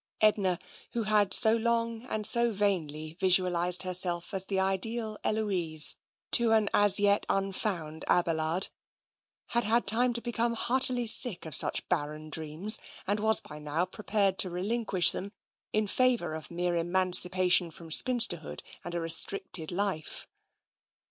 Edna, who had so long and so vainly vis ualised herself as the ideal Heloise to an as yet un found Abelard, had had time to become heartily sick of such barren dreams, and was by now prepared to re linquish them in favour of mere emancipation from spinsterhood and a restricted life.